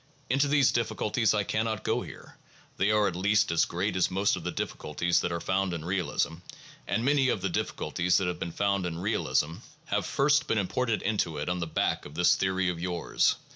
Into these difficulties I cannot go here; they are at least as great as most of the difficulties that are found in realism, and many of the difficulties that have been found in realism have first been 160 THE PHILOSOPHICAL REVIEW. [Vol. XXI. imported into it on the back of this theory of yours.